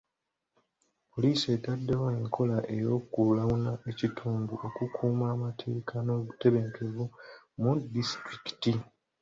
Poliisi etaddewo enkola y'okulawuna ekitundu okukuuma amateeka n'obutebenkevu mu disitulikiti.